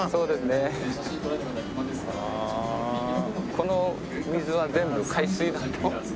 この水は全部海水なんです。